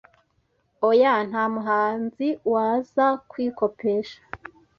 Oya Nta muhanzi waza kwikopesha